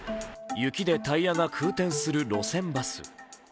雪でタイヤが空転する路線バス。